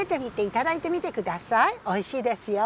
おいしいですよ。